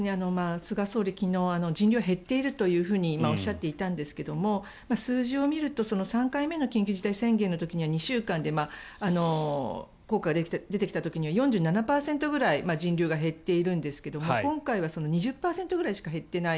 菅総理は昨日人流は減っているというふうに今、おっしゃっていたんですが数字を見ると３回目の緊急事態宣言の時には２週間で効果が出てきた時には４７％くらい人流が減っているんですが今回は２０％ぐらいしか減っていない。